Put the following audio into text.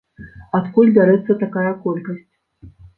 Адкуль бярэцца такая колькасць?